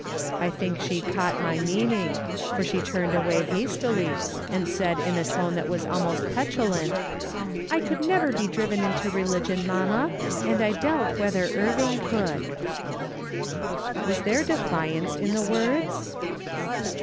I think she caught my meaning, for she turned away hastily, and said in a tone that was almost petulant: " I could never be driven into religion, mamma, and I doubt whether Irving could." I " yoU' VE HELPED ALONG IN THIS WORK:' 229 "Was there defiance in the words